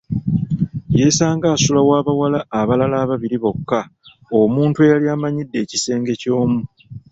Yeesanga asula wa bawala abalala babiri bokka omuntu eyali amanyidde ekisenge ky’omu.